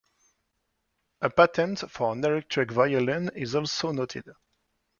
A patent for an electric violin is also noted.